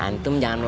antum jangan masuk